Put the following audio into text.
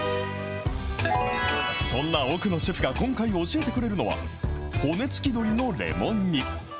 そんな奥野シェフが今回教えてくれるのは、骨付き鶏のレモン煮。